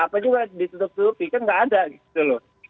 apa juga ditutup tutupi kan nggak ada gitu loh